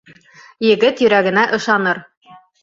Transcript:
Егет йөрәгенә ышаныр.